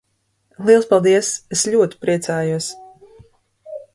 Liels paldies! Es ļoti priecājos!